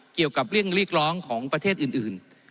เกี่ยวกับเรื่องเรียกร้องของประเทศอื่น